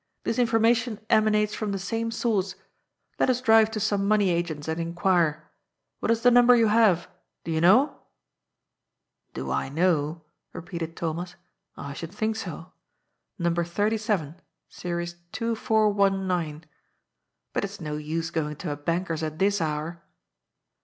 This information emanates from the same sonrce. Let us drive to some money agents and inquire. What is the number you have? Do you know ?"" Do I know?" repeated Thomas. " I should think so. No. 37, Series 2419. But it's no use going to a banker's at this hour."